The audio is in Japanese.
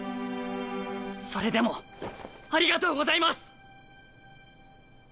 それでもありがとうございます！